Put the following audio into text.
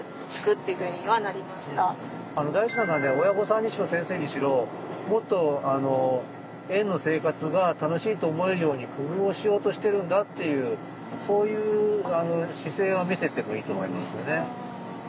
親御さんにしろ先生にしろもっと園の生活が楽しいと思えるように工夫をしようとしてるんだっていうそういうあの姿勢は見せてもいいと思いますよね。